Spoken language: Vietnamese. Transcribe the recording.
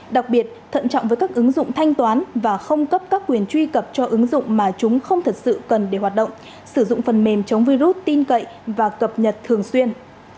đặc biệt thận trọng với các ứng dụng thanh toán và không cấp các quyền truy cập cho ứng dụng mà chúng không thật sự cần để hoạt động sử dụng phần mềm chống virus tin cậy và cập nhật thường xuyên